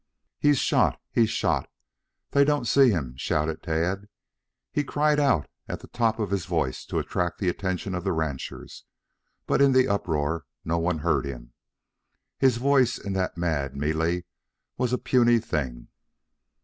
"He's shot! He's shot! They don't see him!" shouted Tad. He cried out at the top of his voice to attract the attention of the ranchers, but in the uproar, no one heard him. His voice in that mad melee was a puny thing.